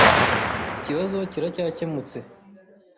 Ikibazo kiracyakemutse.